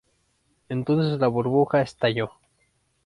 Entonces la burbuja estalló.